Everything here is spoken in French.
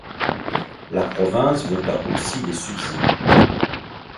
La province vota aussi des subsides.